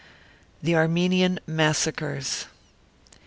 THE ARMENIAN MASSACRES.